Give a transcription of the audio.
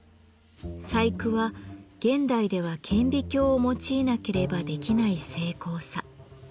細工は現代では顕微鏡を用いなければできない精巧さ。